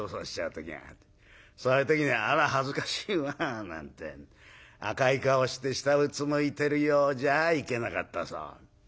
そういう時には「あら恥ずかしいわ」なんて赤い顔して下うつむいてるようじゃいけなかったそう。